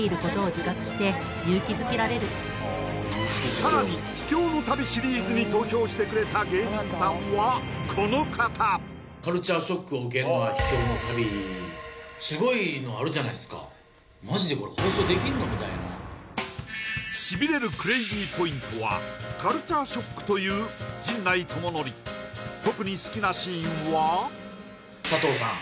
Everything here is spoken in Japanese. さらに秘境の旅シリーズに投票してくれた芸人さんはこの方みたいなしびれるクレイジーポイントはカルチャーショックという特に好きなシーンは佐藤さん